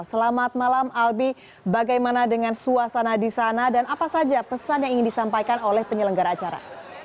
selamat malam albi bagaimana dengan suasana di sana dan apa saja pesan yang ingin disampaikan oleh penyelenggara acara